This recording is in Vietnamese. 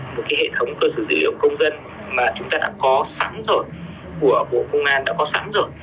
một cái hệ thống cơ sở dữ liệu công dân mà chúng ta đã có sẵn rồi của bộ công an đã có sẵn rồi